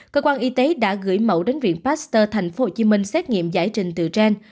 cơ quan y tế đã gửi mẫu đến viện pasteur thành phố hồ chí minh xét nghiệm giải trình từ trên